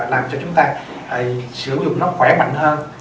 làm cho chúng ta sử dụng nó khỏe mạnh hơn